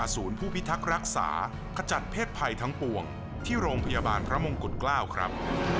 ผู้พิทักษ์รักษาขจัดเพศภัยทั้งปวงที่โรงพยาบาลพระมงกุฎเกล้าครับ